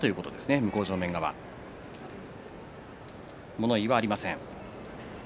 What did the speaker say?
向正面物言いはありません。